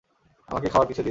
আমাকে খাওয়ার কিছু দিন।